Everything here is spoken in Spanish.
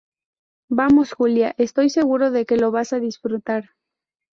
vamos, Julia, estoy seguro de que lo vas a disfrutar.